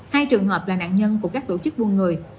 hai trường hợp là nạn nhân của các tổ chức buôn người